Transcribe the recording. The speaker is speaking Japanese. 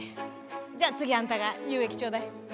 じゃあ次あんたが有益ちょうだい。